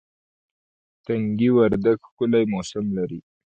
تنگي وردک ښکلی موسم لري